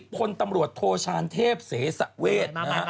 คนตำรวจโทชารเทพเสสเวศ